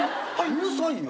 うるさいよ。